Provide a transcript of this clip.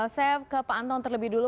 saya ke pak anton terlebih dulu